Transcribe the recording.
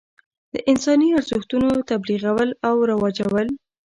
د انساني ارزښتونو تبلیغول او رواجول.